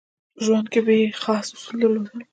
په ژوند کې یې خاص اصول درلودل.